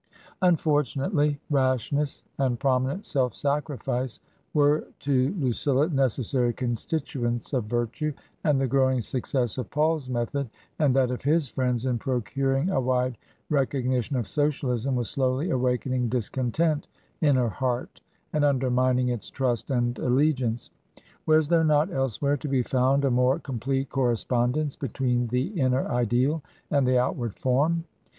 Unfortunately, rashness and prominent self sacrifice were to Lucilla necessary constituents of virtue, and the growing success of Paul's method and that of his friends in procuring a wide recognition of Socialism was slowly awakening discontent in her heart and undermining its trust and allegiance. Was there not elsewhere to be found a more complete correspondence between the inner ideal and the outward form